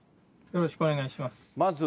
よろしくお願いします。